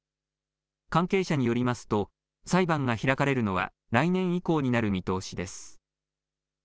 関係者によりますと裁判が開かれるのは来年以降になる見通しです。